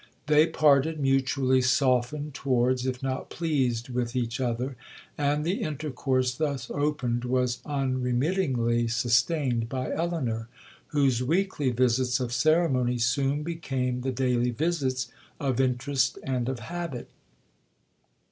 They parted mutually softened towards, if not pleased with each other, and the intercourse thus opened was unremittingly sustained by Elinor, whose weekly visits of ceremony soon became the daily visits of interest and of habit.